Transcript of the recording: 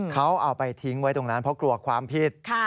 เขาเอาไปทิ้งไว้ตรงนั้นเพราะกลัวความผิด